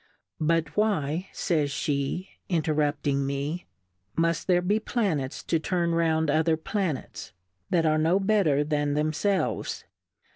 But why, fays fl;e, intermpi/jg me^ mufl there be Planets to turn round other Planets, that are no better than them felves